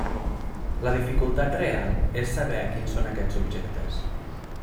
La dificultat real és saber quins són aquests objectes.